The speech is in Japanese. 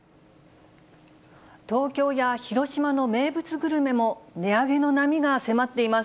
東京や広島の名物グルメも、値上げの波が迫っています。